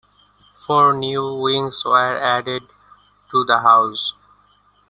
Four new wings were added to the house.